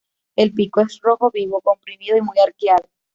El pico es rojo vivo, comprimido y muy arqueado.